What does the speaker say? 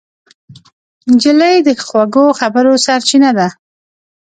نجلۍ د خوږو خبرو سرچینه ده.